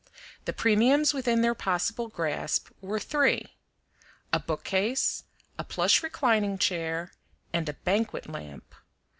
The premiums within their possible grasp were three: a bookcase, a plush reclining chair, and a banquet lamp.